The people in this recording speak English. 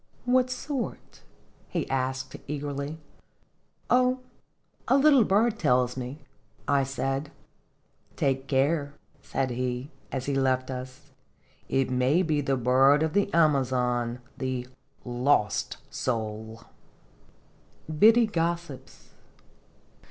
" What sort?" he asked, eagerly. " Oh a little bird tells me," 1 said. "Take care," said he, as he left us; " it may be the bird of the Amazon, the ' Lost Soul'!" Singed 4Jl0tl)s. 51 BIDDY GOSSIPS.